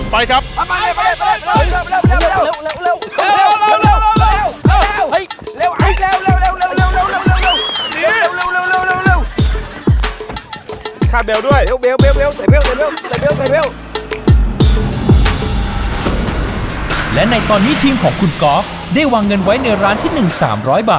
ไปครับ